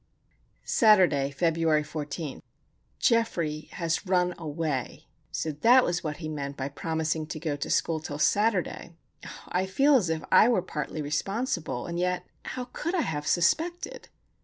Saturday, February 14. Geoffrey has run away! So that was what he meant by promising to go to school till Saturday! Oh, I feel as if I were partly responsible;—and yet, how could I have suspected?